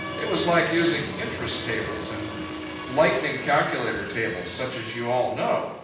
It was like using interest tables and lightning calculator tables such as you all know.